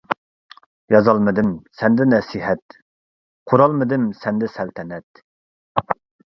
يازالمىدىم سەندە نەسىھەت، قۇرالمىدىم سەندە سەلتەنەت.